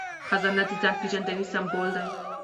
خزانه د ځان پیژندنې سمبول دی.